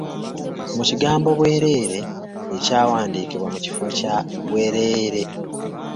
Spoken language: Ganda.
Mu kigambo ‘bwerere’ ekyawandiikibwa mu kifo kya 'bwereere'.